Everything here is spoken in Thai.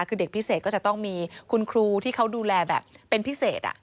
คือเด็กพิเศษก็จะต้องมีคุณครูที่เขาดูแลแบบเป็นพิเศษ